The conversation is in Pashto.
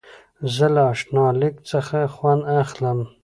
زه له انشا لیک څخه خوند اخلم.